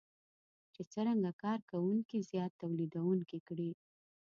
چې څرنګه کار کوونکي زیات توليدونکي کړي.